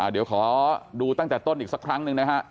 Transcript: เดี๋ยวขอดูตั้งแต่ต้นอีกสักครั้งหนึ่งนะฮะ